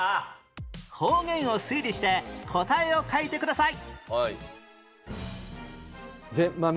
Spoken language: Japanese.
方言を推理して答えを書いてください